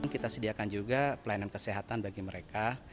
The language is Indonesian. kita sediakan juga pelayanan kesehatan bagi mereka